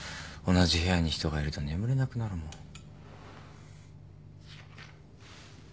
同じ部屋に人がいると眠れなくなるもん。